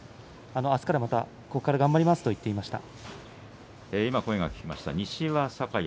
あすから、またここから頑張りますと言っていました。